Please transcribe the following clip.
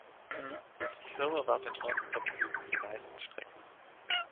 Die Firma warb mit Non-Stop-Flügen für die meisten Strecken.